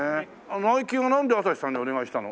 ナイキはなんでアサヒさんにお願いしたの？